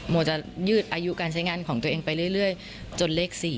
โมจะยืดอายุการใช้งานของตัวเองไปเรื่อยจนเลข๔